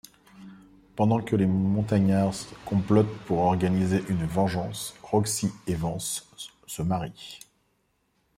Pendant que les montagnards complotent pour organiser une vengeance, Roxie et Vance se marient.